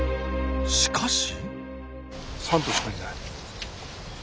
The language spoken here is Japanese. しかし。